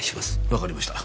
わかりました。